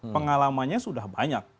pengalamannya sudah banyak